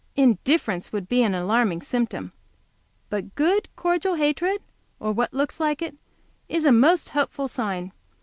Indifference would be an alarming symptom, but good, cordial hatred, or what looks like it, is a most hopeful sign.